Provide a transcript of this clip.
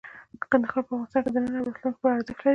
کندهار په افغانستان کې د نن او راتلونکي لپاره ارزښت لري.